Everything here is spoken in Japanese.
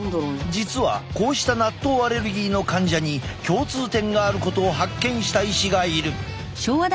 実はこうした納豆アレルギーの患者に共通点があることを発見した医師がいる。